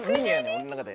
俺の中で。